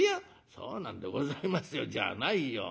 「そうなんでございますよじゃないよ。